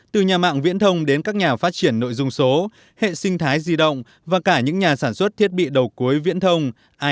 từ nhà mạng viễn thông đến các nhà phát triển nội dung số hệ sinh thái di động và cả những nhà sản xuất thiết bị đầu cuối viễn thông